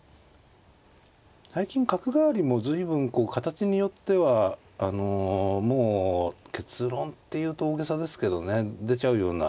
最近角換わりも随分こう形によってはあのもう結論って言うと大げさですけどね出ちゃうような